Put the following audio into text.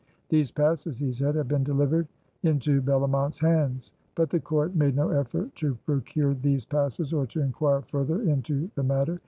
These passes, he said, had been delivered into Bellomont's hands. But the Court made no effort to procure these passes or to inquire further into the matter.